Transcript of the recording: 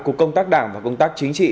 cục công tác đảng và công tác chính trị